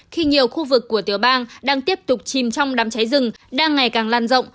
khi nhiều khu vực của tiểu bang đang tiếp tục chìm trong đám cháy rừng đang ngày càng lan rộng